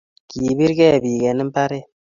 Kipir kee pik en imbaret